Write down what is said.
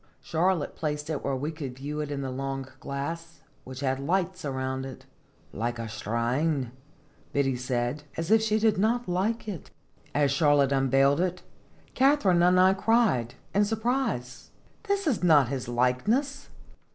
Charlotte placed it where we could view it in the long glass, which had lights around it, " like a shrine," Biddy said, as if she did not like it. As Charlotte unveiled it, Katharine and I cried, in surprise :" This is not his likeness